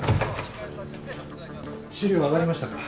・資料上がりましたか？